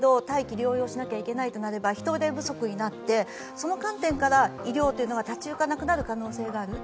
・療養しなければいけないということになれば人手不足になって、その観点から医療が立ち行かなくなる可能性がある。